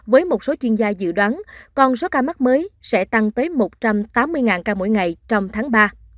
với một số chuyên gia dự đoán còn số ca mắc mới sẽ tăng tới một trăm tám mươi ca mỗi ngày trong tháng ba